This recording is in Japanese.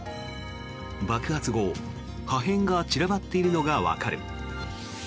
爆発後、破片が散らばっているのがわかる。